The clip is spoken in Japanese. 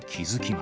ま